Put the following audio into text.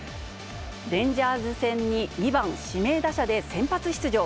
レンジャーズ戦に２番指名打者で先発出場。